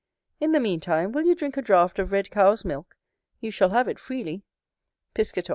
In the meantime will you drink a draught of red cow's milk? you shall have it freely. Piscator.